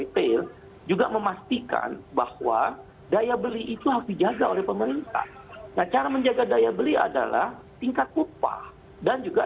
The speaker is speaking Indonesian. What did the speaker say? daya beli itu harus dijaga oleh pemerintah nah cara menjaga daya beli adalah tingkat kupah dan juga